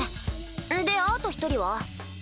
であと１人は？